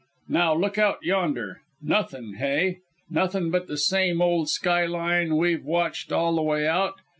Now, look out yonder. Nothin', hey? Nothin' but the same ol' skyline we've watched all the way out.